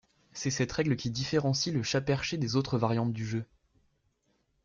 C’est cette règle qui différencie le chat perché des autres variantes du jeu.